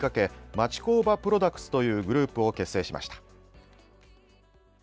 「町工場プロダクツ」というグループを結成しました。